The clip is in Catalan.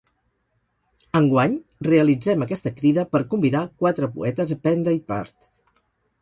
Enguany, realitzem aquesta crida per convidar quatre poetes a prendre-hi part.